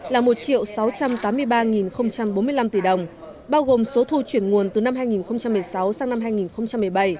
tổng số thu cân đối ngân sách nhà nước là một sáu trăm tám mươi ba bốn mươi năm tỷ đồng bao gồm số thu chuyển nguồn từ năm hai nghìn một mươi sáu sang năm hai nghìn một mươi bảy